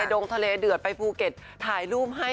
ดงทะเลเดือดไปภูเก็ตถ่ายรูปให้